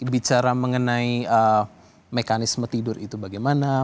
bicara mengenai mekanisme tidur itu bagaimana